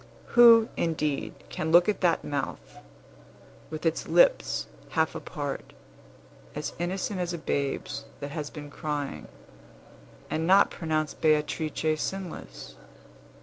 Who, indeed, can look at that mouth, with its lips half apart, as innocent as a babe's that has been crying, and not pronounce Beatrice sinless?